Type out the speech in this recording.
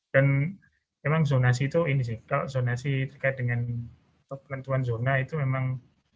dan memang zonasi itu ini sih kalau zonasi terkait dengan pelentuan zona itu memang